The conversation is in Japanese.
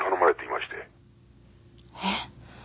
えっ？